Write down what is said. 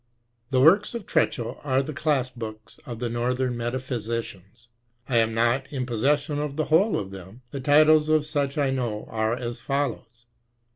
The works of Treschow are the class books of the Northern metaphysicians, t am not in possession of the whole of them. The titles of such I know are as follows.